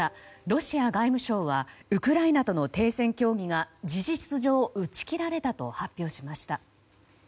ロシア外務省はウクライナとの停戦協議が事実上、打ち切られたと発表しました。